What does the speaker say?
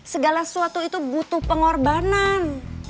segala sesuatu itu butuh pengorbanan